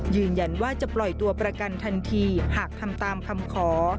ยืนยันว่าจะปล่อยตัวประกันทันทีหากทำตามคำขอ